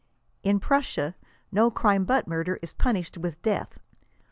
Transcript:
In Prussia no crime but murder is punished with death.